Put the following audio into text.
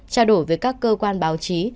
trao đổi với các cơ quan báo chí